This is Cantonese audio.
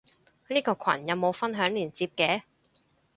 呢個羣有冇分享連接嘅？